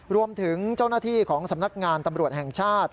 รวมถึงเจ้าหน้าที่ของสำนักงานตำรวจแห่งชาติ